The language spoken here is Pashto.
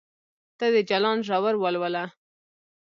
ته د جلان ژور ولوله